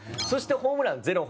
そして、ホームラン、ゼロ本。